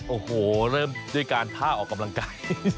โอ้โหเริ่มด้วยการท่าออกกำลังกาย